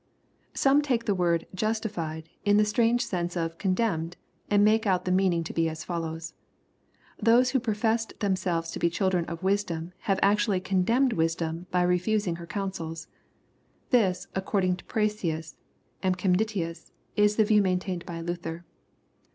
Some take the word "justified " in the strange seiise of " con demned," and make out the meaning to be as follows. " Those who professed themselves to be chil4ren of wisdom have actually condemned wisdom, by refusing her counsels.*' This, according to Parseus and Ghenmitius, is the view maintained by Luther.